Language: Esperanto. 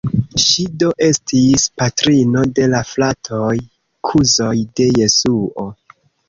Ŝi do estis patrino de la fratoj-kuzoj de Jesuo.